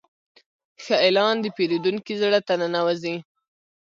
ښه اعلان د پیرودونکي زړه ته ننوځي.